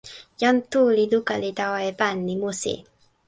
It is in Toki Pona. jan Tu li luka li tawa e pan, li musi.